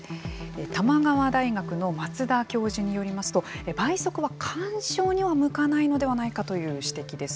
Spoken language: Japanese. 玉川大学の松田教授によりますと倍速は鑑賞には向かないのではないかという指摘です。